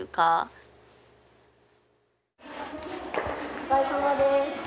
お疲れさまです。